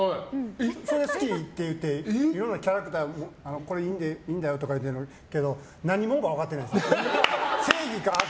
それで好きって言っていろいろなキャラクターこれいいんだよとか言ってるけど何者か分かってないです。